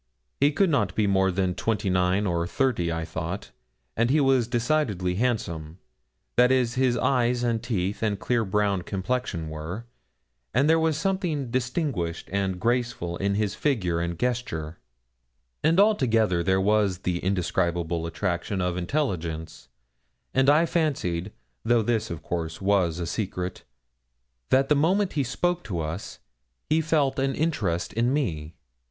He could not be more than twenty nine or thirty, I thought, and he was decidedly handsome that is, his eyes and teeth, and clear brown complexion were and there was something distinguished and graceful in his figure and gesture; and altogether there was the indescribable attraction of intelligence; and I fancied though this, of course, was a secret that from the moment he spoke to us he felt an interest in me.